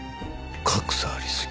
「格差ありすぎ。